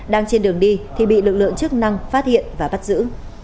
đang trên đường đi thì bị lực lượng chức năng phát hiện và bắt giữ